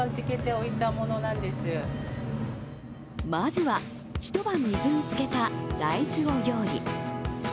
まずは、一晩水につけた大豆を用意。